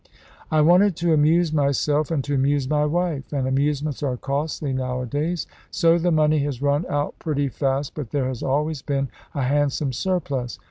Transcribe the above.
"I wanted to amuse myself and to amuse my wife, and amusements are costly nowadays; so the money has run out pretty fast, but there has always been a handsome surplus.